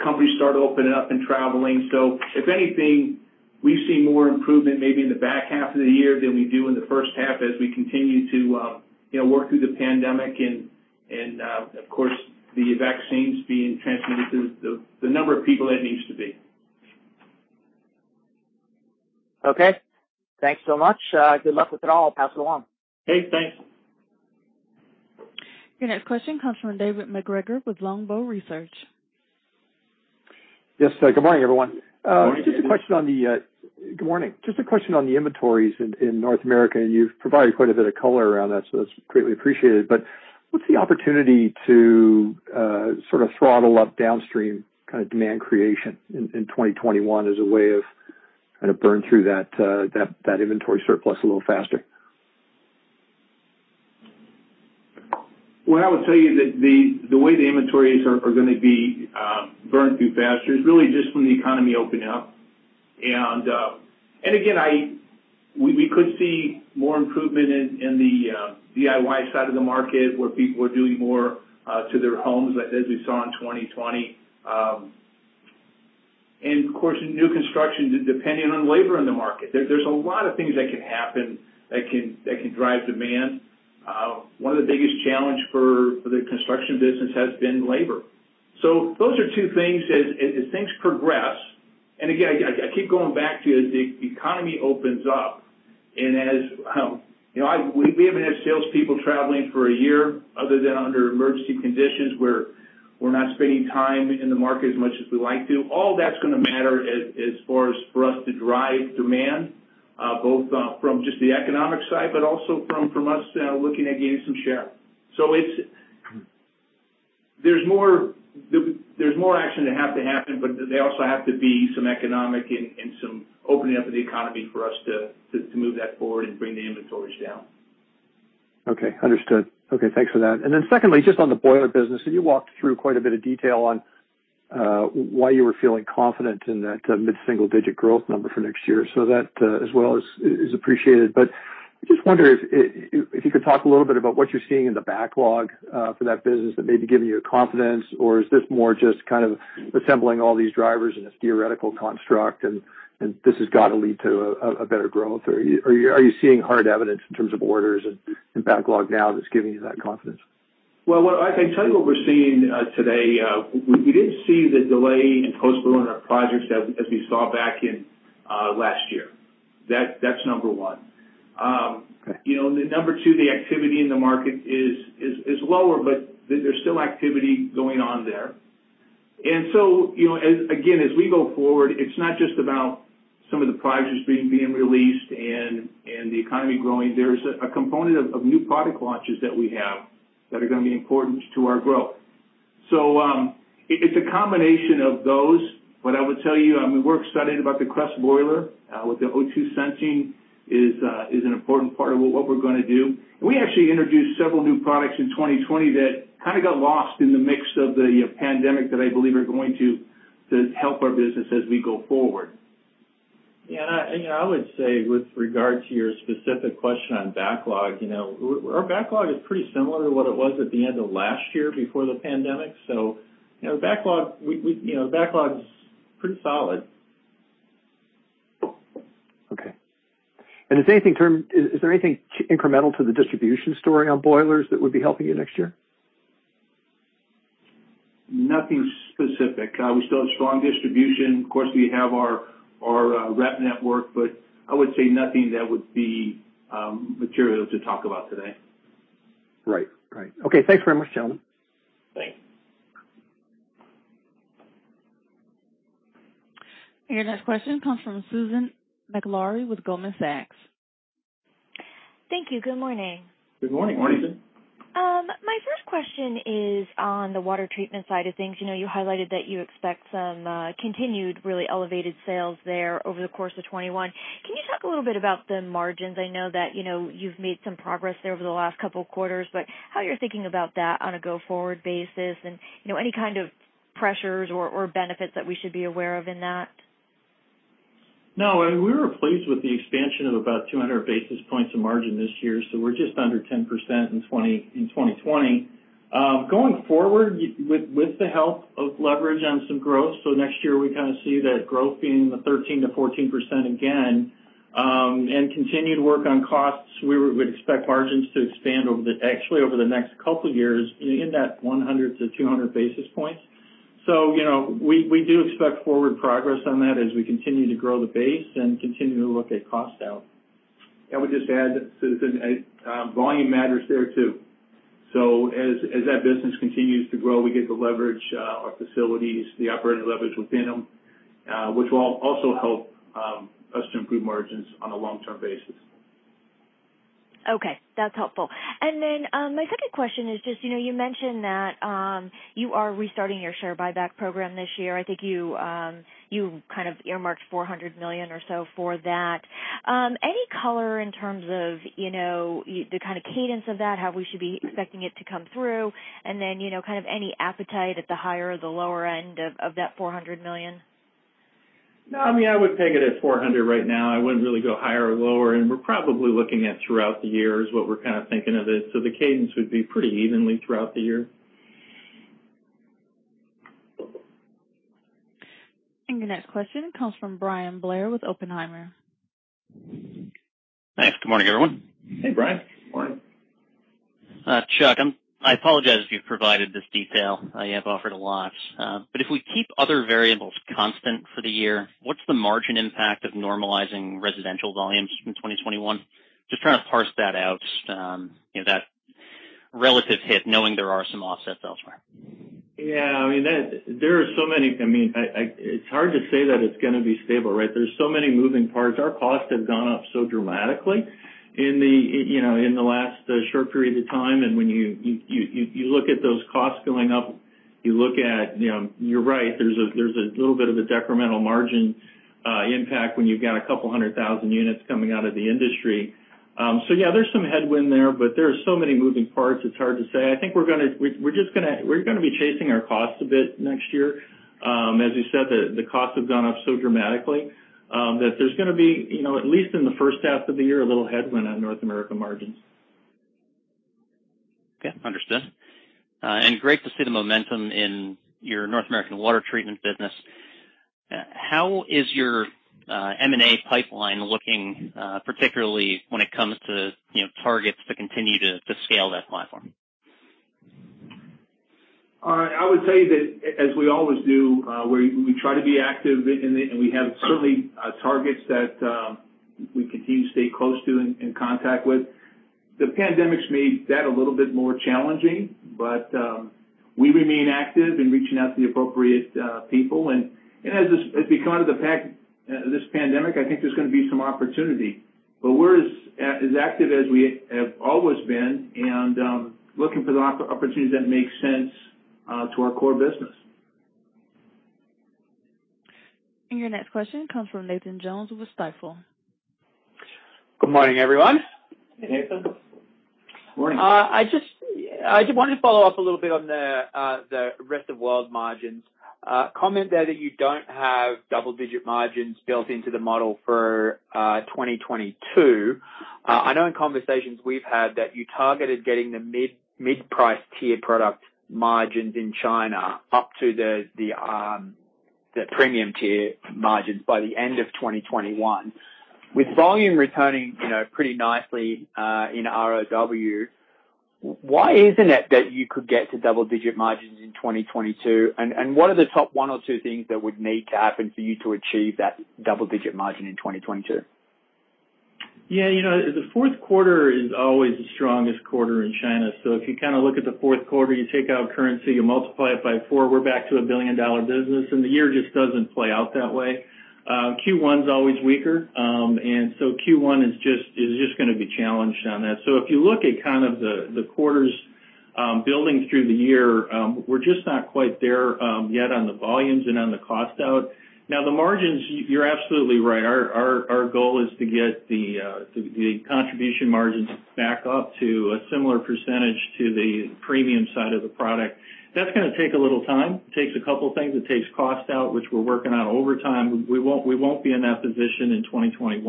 Companies start opening up and traveling. If anything, we've seen more improvement maybe in the back half of the year than we do in the first half as we continue to work through the pandemic and, of course, the vaccines being transmitted to the number of people that needs to be. Okay. Thanks so much. Good luck with it all. I'll pass it along. Hey, thanks. Your next question comes from David MacGregor with Longbow Research. Yes, good morning, everyone. Morning, David. Just a question on the inventories in North America, and you've provided quite a bit of color around that, so that's greatly appreciated. What's the opportunity to sort of throttle up downstream kind of demand creation in 2021 as a way of kind of burning through that inventory surplus a little faster? I would tell you that the way the inventories are going to be burned through faster is really just when the economy opens up. Again, we could see more improvement in the DIY side of the market where people are doing more to their homes as we saw in 2020. Of course, new construction, depending on labor in the market. There are a lot of things that can happen that can drive demand. One of the biggest challenges for the construction business has been labor. Those are two things as things progress. Again, I keep going back to the economy opens up. As we haven't had salespeople traveling for a year other than under emergency conditions where we're not spending time in the market as much as we like to, all that's going to matter as far as for us to drive demand, both from just the economic side, but also from us looking at getting some share. There is more action that has to happen, but there also has to be some economic and some opening up of the economy for us to move that forward and bring the inventories down. Okay. Understood. Okay. Thanks for that. Then secondly, just on the boiler business, you walked through quite a bit of detail on why you were feeling confident in that mid-single-digit growth number for next year. That as well is appreciated. I just wonder if you could talk a little bit about what you're seeing in the backlog for that business that may be giving you confidence, or is this more just kind of assembling all these drivers in a theoretical construct, and this has got to lead to a better growth? Are you seeing hard evidence in terms of orders and backlog now that's giving you that confidence? I can tell you what we're seeing today. We didn't see the delay in postponed projects as we saw back in last year. That's number one. Number two, the activity in the market is lower, but there's still activity going on there. Again, as we go forward, it's not just about some of the projects being released and the economy growing. There's a component of new product launches that we have that are going to be important to our growth. It's a combination of those. I would tell you, I mean, we're excited about the CREST boiler with the O2 sensing is an important part of what we're going to do. We actually introduced several new products in 2020 that kind of got lost in the mix of the pandemic that I believe are going to help our business as we go forward. Yeah. I would say with regard to your specific question on backlog, our backlog is pretty similar to what it was at the end of last year before the pandemic. The backlog is pretty solid. Okay. Is there anything incremental to the distribution story on boilers that would be helping you next year? Nothing specific. We still have strong distribution. Of course, we have our rep network, but I would say nothing that would be material to talk about today. Right. Right. Okay. Thanks very much, gentlemen. Thanks. Your next question comes from Susan Maklari with Goldman Sachs. Thank you. Good morning. Good morning. Morning, Susan. My first question is on the Water Treatment side of things. You highlighted that you expect some continued really elevated sales there over the course of 2021. Can you talk a little bit about the margins? I know that you've made some progress there over the last couple of quarters, but how you're thinking about that on a go-forward basis and any kind of pressures or benefits that we should be aware of in that? No. We were pleased with the expansion of about 200 basis points of margin this year. We were just under 10% in 2020. Going forward with the help of leverage on some growth, next year we kind of see that growth being the 13%-14% again and continued work on costs, we would expect margins to expand actually over the next couple of years in that 100-200 basis points. We do expect forward progress on that as we continue to grow the base and continue to look at cost out. I would just add, Susan, volume matters there too. As that business continues to grow, we get to leverage our facilities, the operating leverage within them, which will also help us to improve margins on a long-term basis. Okay. That's helpful. My second question is just you mentioned that you are restarting your share buyback program this year. I think you kind of earmarked $400 million or so for that. Any color in terms of the kind of cadence of that, how we should be expecting it to come through, and then kind of any appetite at the higher or the lower end of that $400 million? No. I mean, I would peg it at 400 right now. I would not really go higher or lower. We are probably looking at throughout the year is what we are kind of thinking of it. The cadence would be pretty evenly throughout the year. Your next question comes from Bryan Blair with Oppenheimer. Thanks. Good morning, everyone. Hey, Bryan. Morning. Chuck, I apologize if you've provided this detail. You have offered a lot. If we keep other variables constant for the year, what's the margin impact of normalizing Residential volumes in 2021? Just trying to parse that out, that relative hit knowing there are some offsets elsewhere. Yeah. I mean, there are so many, I mean, it's hard to say that it's going to be stable, right? There are so many moving parts. Our costs have gone up so dramatically in the last short period of time. When you look at those costs going up, you look at, you're right, there's a little bit of a decremental margin impact when you've got a couple hundred thousand units coming out of the industry. Yeah, there's some headwind there, but there are so many moving parts. It's hard to say. I think we're going to, we're just going to, we're going to be chasing our costs a bit next year. As you said, the costs have gone up so dramatically that there's going to be, at least in the first half of the year, a little headwind on North America margins. Okay. Understood. Great to see the momentum in your North American Water Treatment business. How is your M&A pipeline looking, particularly when it comes to targets to continue to scale that platform? I would tell you that, as we always do, we try to be active, and we have certainly targets that we continue to stay close to and in contact with. The pandemic's made that a little bit more challenging, but we remain active in reaching out to the appropriate people. As we come out of this pandemic, I think there's going to be some opportunity. We are as active as we have always been and looking for the opportunities that make sense to our core business. Your next question comes from Nathan Jones with Stifel. Good morning, everyone. Hey, Nathan. Morning. I just wanted to follow up a little bit on the Rest of World margins. Comment there that you don't have double-digit margins built into the model for 2022. I know in conversations we've had that you targeted getting the mid-price tier product margins in China up to the premium tier margins by the end of 2021. With volume returning pretty nicely in ROW, why isn't it that you could get to double-digit margins in 2022? What are the top one or two things that would need to happen for you to achieve that double-digit margin in 2022? Yeah. The fourth quarter is always the strongest quarter in China. If you kind of look at the fourth quarter, you take out currency, you multiply it by four, we're back to a billion-dollar business, and the year just does not play out that way. Q1 is always weaker. Q1 is just going to be challenged on that. If you look at kind of the quarters building through the year, we're just not quite there yet on the volumes and on the cost out. Now, the margins, you're absolutely right. Our goal is to get the contribution margins back up to a similar percentage to the premium side of the product. That is going to take a little time. It takes a couple of things. It takes cost out, which we're working on over time. We will not be in that position in 2021,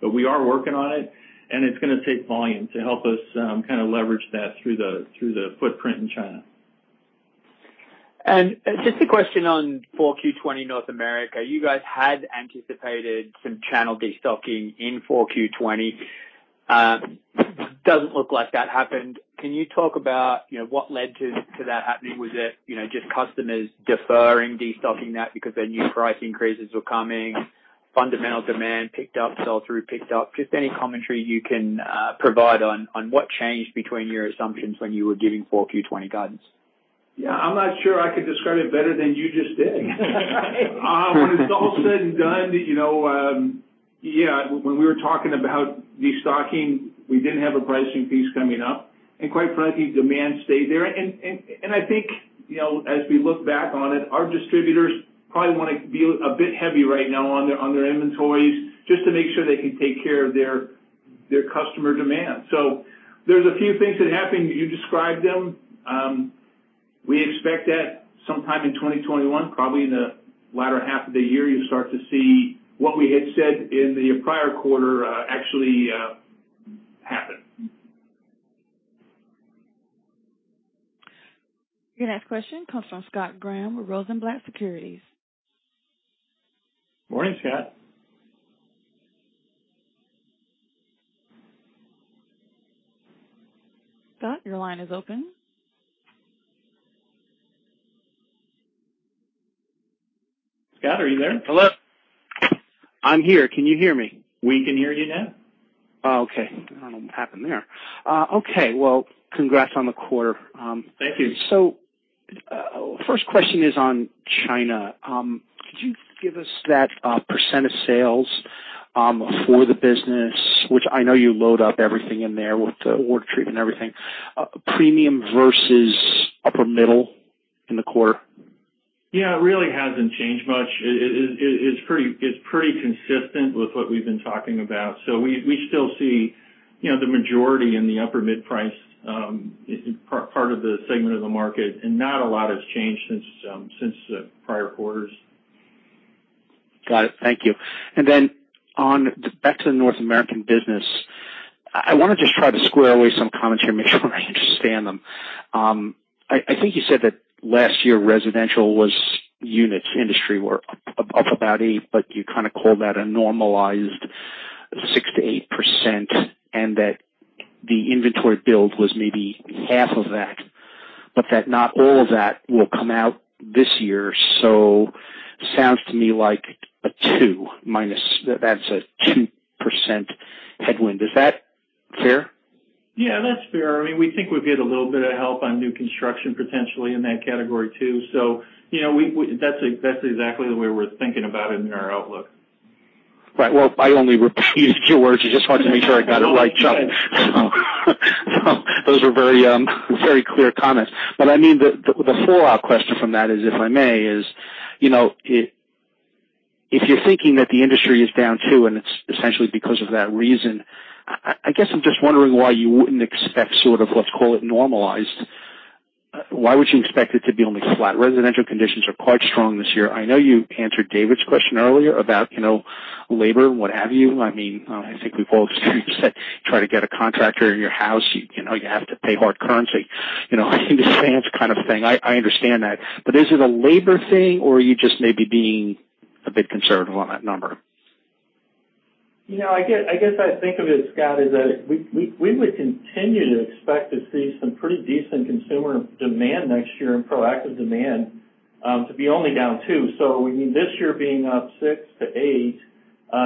but we are working on it. It's going to take volume to help us kind of leverage that through the footprint in China. Just a question on 4Q20 North America. You guys had anticipated some channel destocking in 4Q 2020. Doesn't look like that happened. Can you talk about what led to that happening? Was it just customers deferring destocking because their new price increases were coming? Fundamental demand picked up, sell-through picked up. Just any commentary you can provide on what changed between your assumptions when you were giving 4Q 2020 guidance? Yeah. I'm not sure I could describe it better than you just did. When it's all said and done, yeah, when we were talking about destocking, we didn't have a pricing piece coming up. Quite frankly, demand stayed there. I think as we look back on it, our distributors probably want to be a bit heavy right now on their inventories just to make sure they can take care of their customer demand. There are a few things that happened. You described them. We expect that sometime in 2021, probably in the latter half of the year, you'll start to see what we had said in the prior quarter actually happen. Your next question comes from Scott Graham with Rosenblatt Securities. Morning, Scott. Scott, your line is open. Scott, are you there? Hello. I'm here. Can you hear me? We can hear you now. Oh, okay. I don't know what happened there. Okay. Congrats on the quarter. Thank you. First question is on China. Could you give us that percent of sales for the business, which I know you load up everything in there with the Water Treatment and everything, premium versus upper middle in the quarter? Yeah. It really hasn't changed much. It's pretty consistent with what we've been talking about. We still see the majority in the upper mid-price part of the segment of the market, and not a lot has changed since the prior quarters. Got it. Thank you. Back to the North American business, I want to just try to square away some comments here, make sure I understand them. I think you said that last year Residential units industry were up about 8%, but you kind of called that a normalized 6-8% and that the inventory build was maybe half of that, but that not all of that will come out this year. Sounds to me like a 2 minus, that's a 2% headwind. Is that fair? Yeah. That's fair. I mean, we think we've hit a little bit of help on new construction potentially in that category too. That's exactly the way we're thinking about it in our outlook. Right. I only repeated your words. It's just hard to make sure I got it right, Chuck. Those were very clear comments. I mean, the follow-up question from that, if I may, is if you're thinking that the industry is down too, and it's essentially because of that reason, I guess I'm just wondering why you wouldn't expect sort of, let's call it normalized. Why would you expect it to be only flat? Residential conditions are quite strong this year. I know you answered David's question earlier about labor and what have you. I mean, I think we've all experienced that trying to get a contractor in your house, you have to pay hard currency. It's a sans kind of thing. I understand that. Is it a labor thing, or are you just maybe being a bit conservative on that number? I guess I think of it, Scott, is that we would continue to expect to see some pretty decent consumer demand next year and proactive demand to be only down 2. So, we need this year being up 6-8,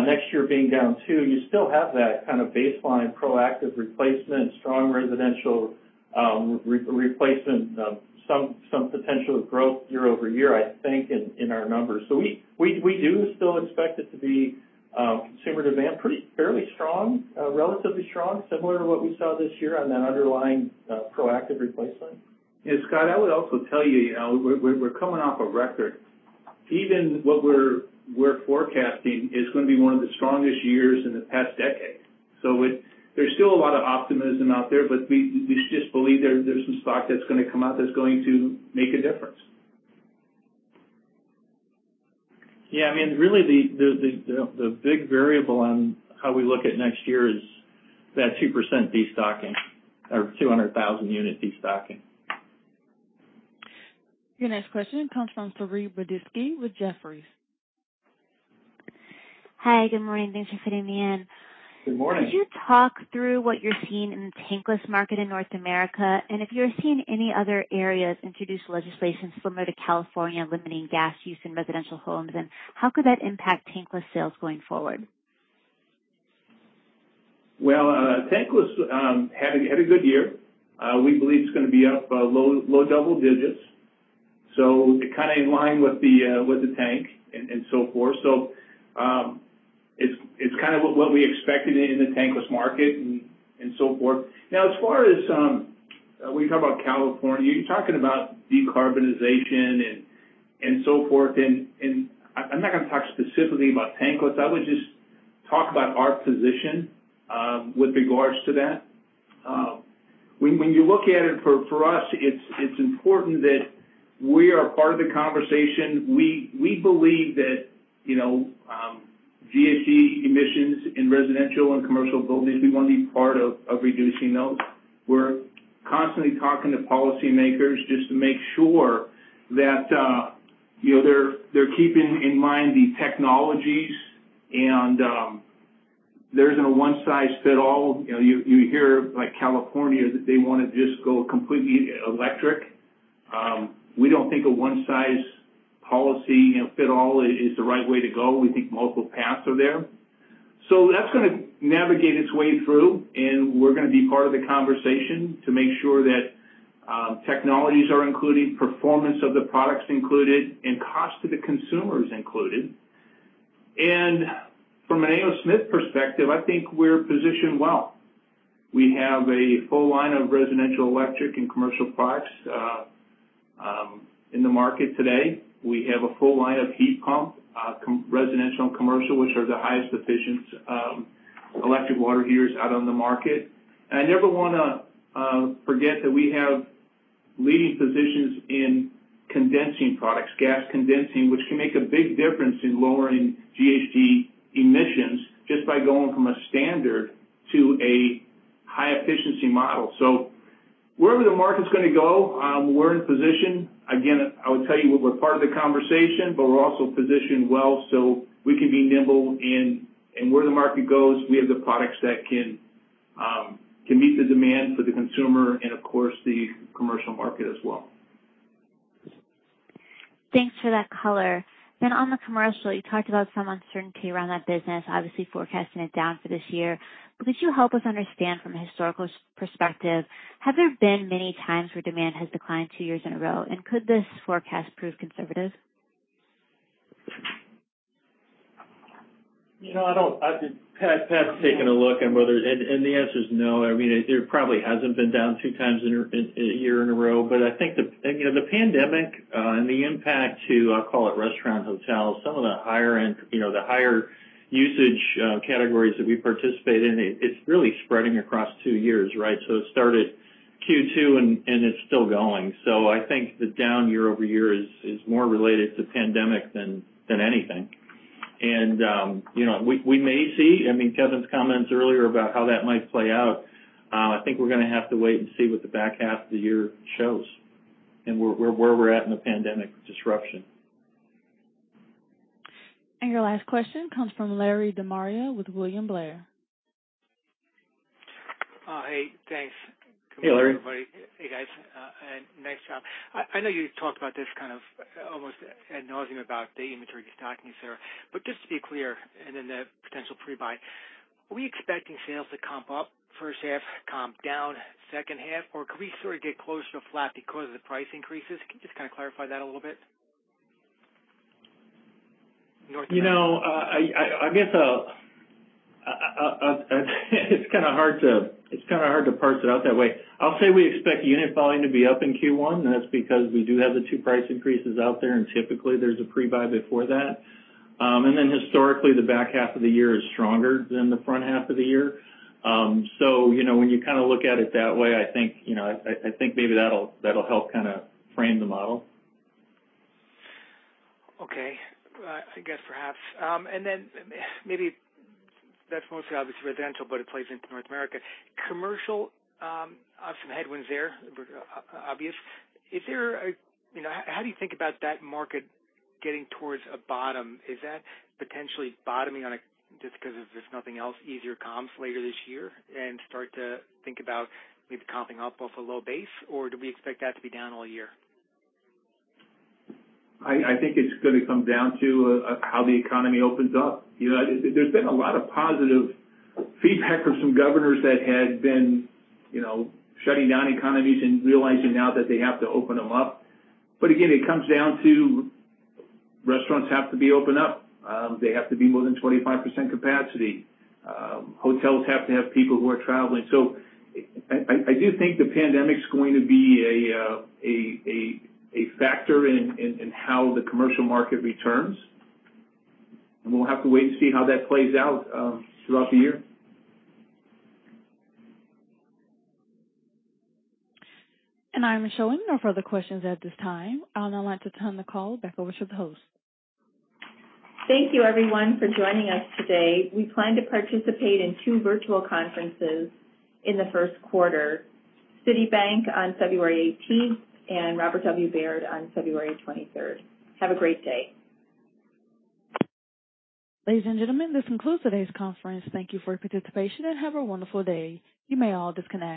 next year being down 2. You still have that kind of baseline proactive replacement, strong residential replacement, some potential growth year-over-year, I think, in our numbers. We do still expect it to be consumer demand fairly strong, relatively strong, similar to what we saw this year on that underlying proactive replacement. Yeah. Scott, I would also tell you we're coming off a record. Even what we're forecasting is going to be one of the strongest years in the past decade. There is still a lot of optimism out there, but we just believe there is some stock that is going to come out that is going to make a difference. Yeah. I mean, really, the big variable on how we look at next year is that 2% destocking or 200,000 unit destocking. Your next question comes from Saree Boroditsky with Jefferies. Hi. Good morning. Thanks for fitting me in. Good morning. Could you talk through what you're seeing in the tankless market in North America and if you're seeing any other areas introduce legislation similar to California limiting gas use in residential homes, and how could that impact tankless sales going forward? Tankless had a good year. We believe it's going to be up low double digits, kind of in line with the tank and so forth. It's kind of what we expected in the tankless market and so forth. As far as we talk about California, you're talking about decarbonization and so forth. I'm not going to talk specifically about tankless. I would just talk about our position with regards to that. When you look at it, for us, it's important that we are part of the conversation. We believe that GHG emissions in residential and commercial buildings, we want to be part of reducing those. We're constantly talking to policymakers just to make sure that they're keeping in mind the technologies. There isn't a one-size-fit-all. You hear like California that they want to just go completely electric. We do not think a one-size policy and fit-all is the right way to go. We think multiple paths are there. That is going to navigate its way through, and we are going to be part of the conversation to make sure that technologies are included, performance of the products included, and cost to the consumers included. From an A. O. Smith perspective, I think we are positioned well. We have a full line of residential, electric, and commercial products in the market today. We have a full line of heat pump, Residential and Commercial, which are the highest efficient electric water heaters out on the market. I never want to forget that we have leading positions in condensing products, gas condensing, which can make a big difference in lowering GHG emissions just by going from a standard to a high-efficiency model. Wherever the market is going to go, we are in position. Again, I would tell you we're part of the conversation, but we're also positioned well so we can be nimble in where the market goes. We have the products that can meet the demand for the consumer and, of course, the commercial market as well. Thanks for that color. On the commercial, you talked about some uncertainty around that business, obviously forecasting it down for this year. Could you help us understand from a historical perspective, have there been many times where demand has declined two years in a row? Could this forecast prove conservative? I've had taken a look at [bottom end] and the answer is no. I mean, there probably hasn't been down two times in a year in a row. I think the pandemic and the impact to, I'll call it restaurants, hotels, some of the higher-end, the higher usage categories that we participate in, it's really spreading across two years, right? It started Q2, and it's still going. I think the down year-over-year is more related to pandemic than anything. We may see, I mean, Kevin's comments earlier about how that might play out. I think we're going to have to wait and see what the back half of the year shows and where we're at in the pandemic disruption. Your last question comes from Larry De Maria with William Blair. Hey. Thanks. Hey, Larry. Hey, guys. Nice, Chuck. I know you talked about this kind of almost ad nauseam about the inventory destocking, etc. Just to be clear, and then the potential pre-buy, are we expecting sales to comp up first half, comp down second half, or could we sort of get closer to flat because of the price increases? Can you just kind of clarify that a little bit? North America. I guess it's kind of hard to parse it out that way. I'll say we expect unit volume to be up in Q1, and that's because we do have the two price increases out there, and typically there's a pre-buy before that. Historically, the back half of the year is stronger than the front half of the year. When you kind of look at it that way, I think maybe that'll help kind of frame the model. Okay. I guess perhaps. And then maybe that's mostly obviously Residential, but it plays into North America. Commercial, obviously some headwinds there, obvious. Is there a how do you think about that market getting towards a bottom? Is that potentially bottoming on a just because of, if nothing else, easier comps later this year and start to think about maybe comping up off a low base, or do we expect that to be down all year? I think it's going to come down to how the economy opens up. There's been a lot of positive feedback from some governors that had been shutting down economies and realizing now that they have to open them up. It comes down to restaurants have to be opened up. They have to be more than 25% capacity. Hotels have to have people who are traveling. I do think the pandemic's going to be a factor in how the commercial market returns. We'll have to wait and see how that plays out throughout the year. I'm showing no further questions at this time. I'd like to turn the call back over to the host. Thank you, everyone, for joining us today. We plan to participate in two virtual conferences in the first quarter: Citi on February 18th and Robert W. Baird on February 23rd. Have a great day. Ladies and gentlemen, this concludes today's conference. Thank you for your participation and have a wonderful day. You may all disconnect.